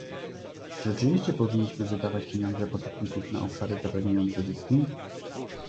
Czy rzeczywiście powinniśmy wydawać pieniądze podatników na obszary zapewniające zyski?